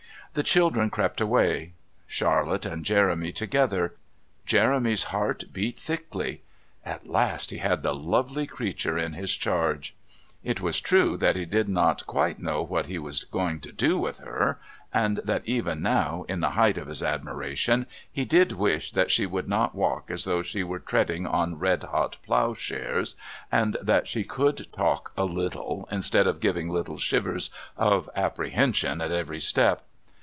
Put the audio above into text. The children crept away. Charlotte and Jeremy together. Jeremy's heart beat thickly. At last he had the lovely creature in his charge. It was true that he did not quite know what he was going to do with her, and that even now, in the height of his admiration, he did wish that she would not walk as though she were treading on red hot ploughshares, and that she could talk a little instead of giving little shivers of apprehension at every step.